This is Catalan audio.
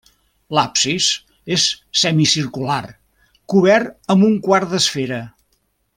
L'absis és semicircular, cobert amb un quart d'esfera.